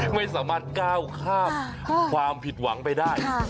ไม่สามารถก้าวข้ามความผิดหวังไปได้